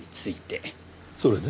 それで？